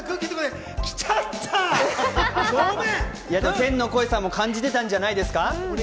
天の声さんも感じてたんじゃないですか？